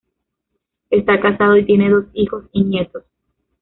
Está casado, y tiene dos hijos y nietos.